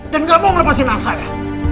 dan kamu melepaskan saya